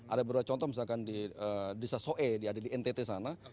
ada beberapa contoh misalkan di desa soe ada di ntt sana